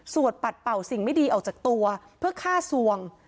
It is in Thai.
ปัดเป่าสิ่งไม่ดีออกจากตัวเพื่อฆ่าสวง